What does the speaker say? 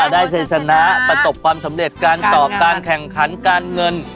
ชัยชนะประสบความสำเร็จการตอบการแข่งขันการเงิน